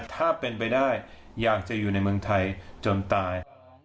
ถ้าเป็นไปได้อยากจะอยู่ในเมืองไทยจนตาย